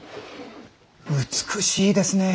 美しいですねえ！